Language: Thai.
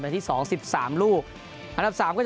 ในที่๒๑๓ลูก